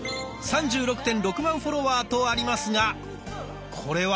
３６．６万フォロワーとありますがこれは？